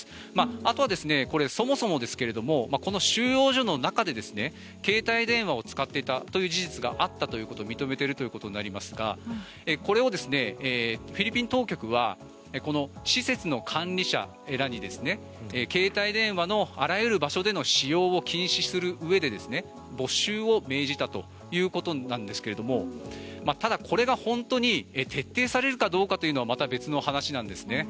あとはそもそもですがこの収容所の中で携帯電話を使っていたという事実があったということを認めているということになりますがこれをフィリピン当局はこの施設の管理者らに携帯電話のあらゆる場所での使用を禁止するうえで没収を命じたということなんですがただ、これが本当に徹底されるかどうかというのはまた別の話なんです。